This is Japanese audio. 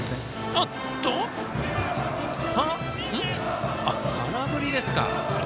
あっと空振りですか。